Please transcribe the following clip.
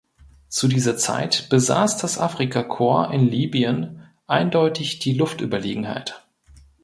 Zu dieser Zeit besaß das Afrikakorps in Libyen eindeutig die Luftüberlegenheit.